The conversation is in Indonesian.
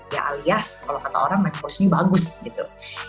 ya alias kalau kata orang metabolisme bagus gitu